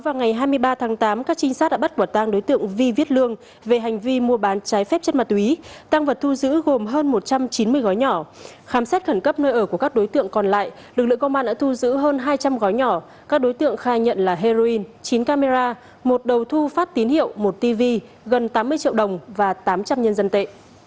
lực lượng công an đã thu giữ hơn hai trăm linh gói nhỏ các đối tượng khai nhận là heroin chín camera một đầu thu phát tín hiệu một tv gần tám mươi triệu đồng và tám trăm linh nhân dân tệ